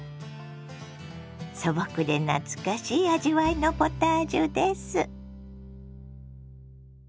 素朴で懐かしい味わいのポタージュです。